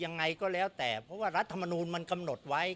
ยังไงก็แล้วแต่เพราะว่ารัฐมนูลมันกำหนดไว้